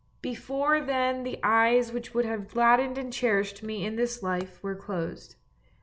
Before then the eyes which would have gladdened and cherished me in this life were closed.